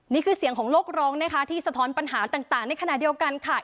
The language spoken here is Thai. นี่คือเสียงของโลกร้องนะคะที่สะท้อนปัญหาต่างในขณะเดียวกันค่ะ